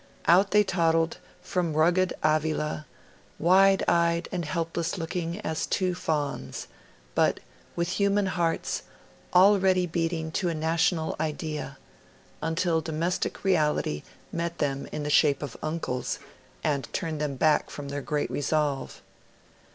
Out they toddled from rugged Avila, wide eyed and helpless looking as two fawns, but with human hearts, already beating to a national idea; until domestic reality met them in the shape of uncles, and turned them back from their great resolve.